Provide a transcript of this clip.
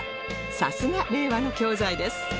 さすが令和の教材です